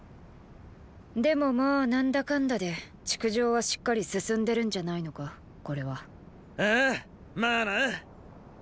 でもまー何だかんだで築城はしっかり進んでるんじゃないのかこれは。ああまーな。